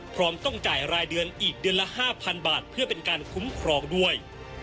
พร้อมต้องจ่ายรายเดือนอีกเดือนละ๕๐๐๐บาทเพื่อเป็นการคุ้มครองด้วย